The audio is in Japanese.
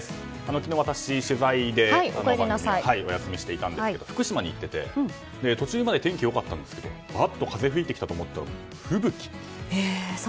昨日私、取材でお休みしていたんですけど福島に行ってて途中まで天気良かったんですけどうわっと風が吹いてきたと思ったら吹雪。